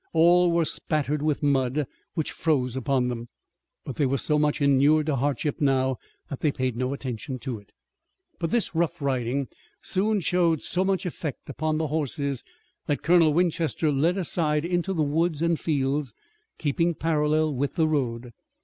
All were spattered with mud, which froze upon them, but they were so much inured to hardship now that they paid no attention to it. But this rough riding soon showed so much effect upon the horses that Colonel Winchester led aside into the woods and fields, keeping parallel with the road.